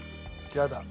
嫌だ。